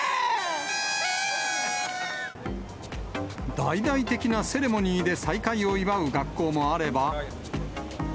大々的なセレモニーで再開を祝う学校もあれば。